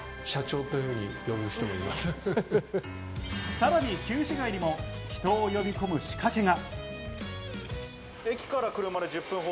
さらに旧市街にも人を呼び込む仕掛けが。